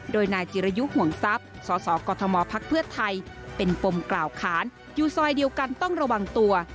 โดยนายจิรยุห่วงทรัพย์สสกมพักเพื่อไทยเป็นปมกล่าวขานอยู่ซอยเดียวกันต้องระวังตัว